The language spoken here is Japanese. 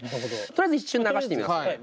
とりあえず一瞬流してみますね。